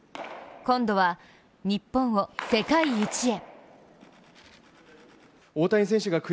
今度は日本を世界一へ。